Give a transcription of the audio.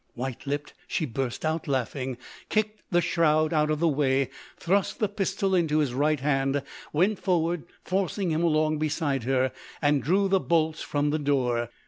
White lipped she burst out laughing, kicked the shroud out of the way, thrust the pistol into his right hand, went forward, forcing him along beside her, and drew the bolts from the door.